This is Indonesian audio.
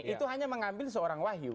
itu hanya mengambil seorang wahyu